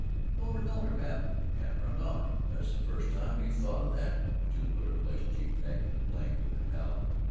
"Who's goin' ter milk, pap, atter I'm gone?" "This the fust time you thought o' that?" June put her flushed cheek back to the flank of the cow.